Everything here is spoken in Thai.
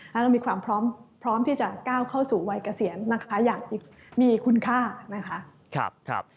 เราก็มีความพร้อมที่จะก้าวเข้าสู่วัยเกษียณอย่างมีคุณค่า